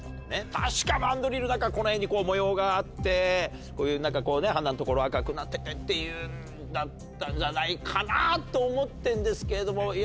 確かマンドリルこの辺に模様があって鼻のところ赤くなっててっていうだったんじゃないかなと思ってんですけれども。